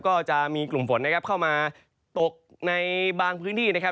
ก็จะมีกลุ่มฝนนะครับเข้ามาตกในบางพื้นที่นะครับ